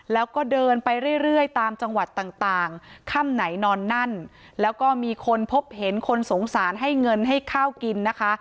แล้วก็เดินไปเรื่อยตามจังหวัดต่างค่ำไหนนอนนั่นแล้วก็มีคนพบเห็นคนสงสารให้เงินให้ข้าวกินนะคะ